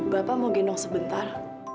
bapak mau gendong sebentar